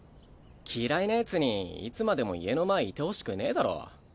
嫌いなヤツにいつまでも家の前いてほしくねぇだろ。